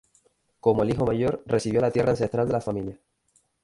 Como el hijo mayor, recibió la tierra ancestral de la familia.